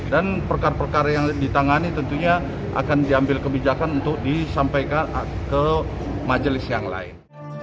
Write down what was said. dan perkar perkar yang ditangani tentunya akan diambil kebijakan untuk disampaikan ke majelis yang lain